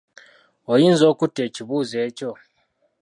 Oyinza okutta ekibuuzo ekyo?